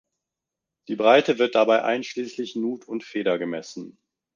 Die Breite wird dabei einschließlich Nut und Feder gemessen.